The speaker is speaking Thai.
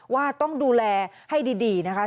ว่าต้องดูแลให้ดีนะคะ